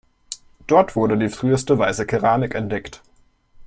Dort wurde die früheste weiße Keramik entdeckt.